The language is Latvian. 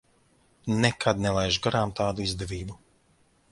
Nekad nelaižu garām tādu izdevību.